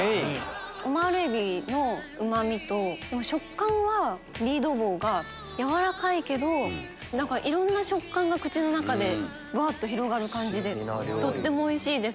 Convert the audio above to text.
オマール海老のうまみと食感はリ・ド・ヴォーが軟らかいけどいろんな食感が口の中でぶわと広がる感じでとってもおいしいです。